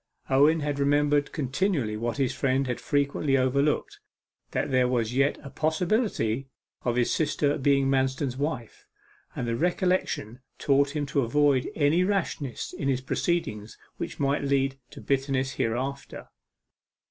Owen had remembered continually what his friend had frequently overlooked, that there was yet a possibility of his sister being Manston's wife, and the recollection taught him to avoid any rashness in his proceedings which might lead to bitterness hereafter.